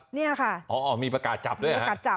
เนี่ยค่ะอ๋อมีประกาศจับด้วยค่ะ